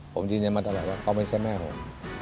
ผมยืนยันมาตลอดว่าเขาไม่ใช่แม่ผม